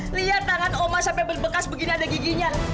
lihat tangan oma sampai berbekas begini ada giginya